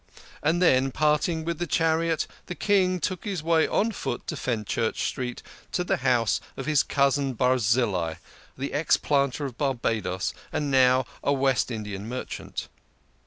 And then, parting with the chariot, the King took his way on foot to Fenchurch Street, to the house of his cousin Barzillai, the ex planter of Barbadoes, and now a West Indian merchant.